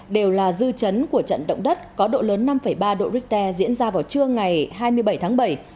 đều là dư chấn của trận động đất có độ lớn năm ba độ richter diễn ra vào trưa ngày hai mươi bảy tháng bảy